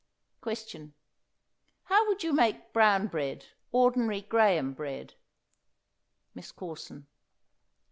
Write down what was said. Question. How would you make brown bread ordinary graham bread? MISS CORSON.